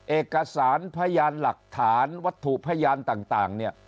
เอกสารพยานหลักฐานวัตถุพยานต่างเนี่ย